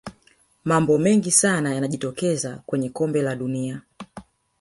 mambo mengi sana yanajitokeza kwenye kombe la dunia